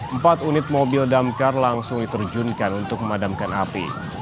empat unit mobil damkar langsung diterjunkan untuk memadamkan api